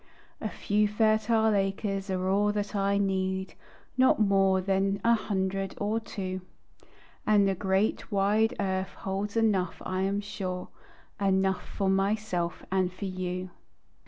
A few fertile acres are all that I need, Not more than a hundred or two, And the great, wide earth holds enough, I am sure, Enough for myself and for you.